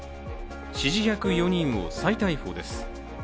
指示役４人を再逮捕です。